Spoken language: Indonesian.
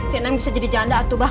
si neng bisa jadi janda tuh bah